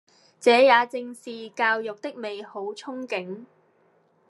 這也正是教育的美好憧憬